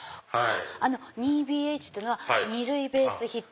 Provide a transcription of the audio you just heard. ２ＢＨっていうのは二塁ベースヒット。